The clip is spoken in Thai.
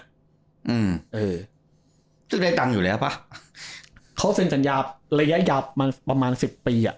อืมเออซึ่งได้ตังค์อยู่แล้วป่ะเขาเซ็นสัญญาระยะยาวมันประมาณสิบปีอ่ะ